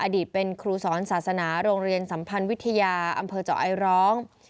อดีตเป็นครูสอนศาสนาโรงเรียนสัมพันธ์วิทยาอำเภอเจาะไอร้อง